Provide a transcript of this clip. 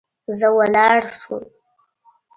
زه ولاړ سوم.